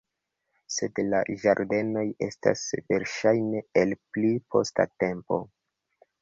Sed la ĝardenoj estas verŝajne el pli posta tempo.